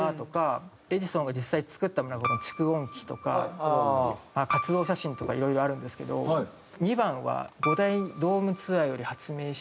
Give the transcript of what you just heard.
エジソンが実際作ったものが「蓄音器」とか「活動写真」とかいろいろあるんですけど２番は「５大ドームツアーより発明して」